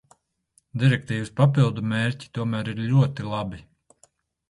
Direktīvas papildu mērķi tomēr ir ļoti labi.